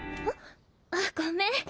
あ？あっごめん。